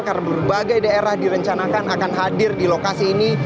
karena berbagai daerah direncanakan akan hadir di lokasi ini